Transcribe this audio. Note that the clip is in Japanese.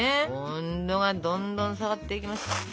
温度がどんどん下がっていきます。